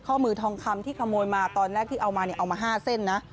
ข้อมือทองคำที่ขโมยมาตอนแรกที่เอามาเนี่ยเอามา๕เส้นนะ